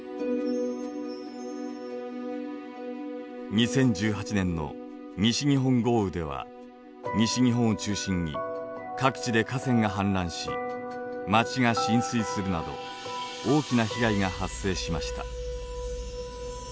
２０１８年の西日本豪雨では西日本を中心に各地で河川が氾濫し町が浸水するなど大きな被害が発生しました。